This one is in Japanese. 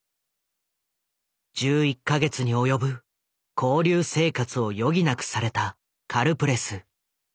１１か月に及ぶ勾留生活を余儀なくされたカルプレス。